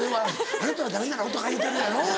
「あなたはダメなの？」とか言うてるんやろ？